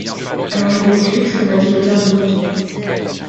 Alors je lui explique ce que m’a dit l’auteur de nos vies.